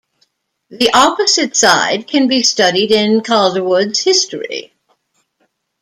The opposite side can be studied in Calderwood's "History".